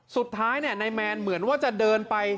สุดท้ายนายแมนเหมือนว่าจะเดินไป